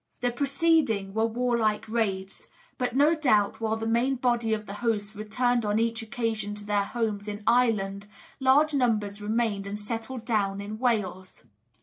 The preceding were warlike raids; but no doubt, while the main body of the host returned on each occasion to their homes in Ireland, large numbers remained and settled down in Wales.